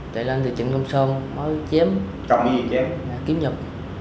chạy lên thì trịnh công sơn mới kiếm nhật